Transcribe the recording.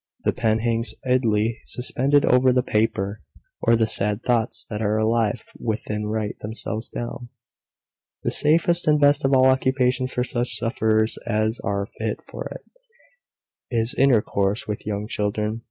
The pen hangs idly suspended over the paper, or the sad thoughts that are alive within write themselves down. The safest and best of all occupations for such sufferers as are fit for it, is intercourse with young children.